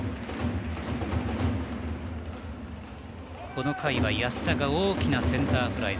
この回は安田が大きなセンターフライ。